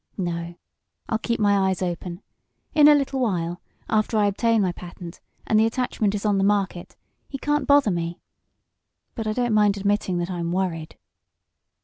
No, I'll keep my eyes open. In a little while, after I obtain my patent, and the attachment is on the market, he can't bother me. But I don't mind admitting that I'm worried."